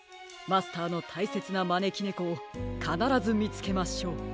マスターのたいせつなまねきねこをかならずみつけましょう！